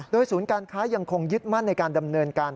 ศูนย์การค้ายังคงยึดมั่นในการดำเนินการ